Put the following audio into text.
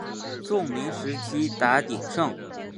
宋明时期达鼎盛。